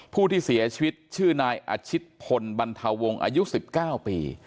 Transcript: ผู้ที่เสียชีวิตชื่อนายอาชิตพลบรรทวงศ์อายุ๑๙ปี